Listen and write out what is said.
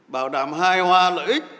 bảo đảm hai hoa lợi ích